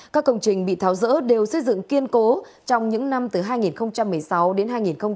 các công trình bị tháo rỡ đều xây dựng kiên cố trong những năm từ hai nghìn một mươi sáu đến hai nghìn hai mươi